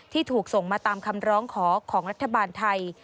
ที่ถูกส่งมาตามคำร้องขอของรัฐบาลไทย